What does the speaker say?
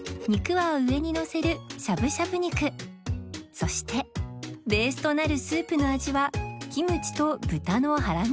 そしてベースとなるスープの味はキムチと豚のハラミ